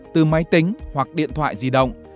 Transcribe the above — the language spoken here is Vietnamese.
từ máy tính hoặc điện thoại di động